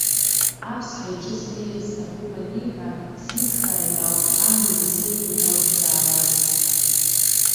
Аԥсҳа иҿы снеирц сҭахуп аниҳәа сицхрааит ауп, амҩан исеиҳәеит ауп дзаауаз.